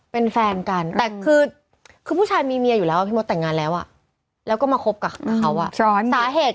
เป็นแฟนกันแต่คือผู้ชายมีเมียอยู่แล้วพี่มดแต่งงานแล้วอ่ะแล้วก็มาคบกับเขาสาเหตุ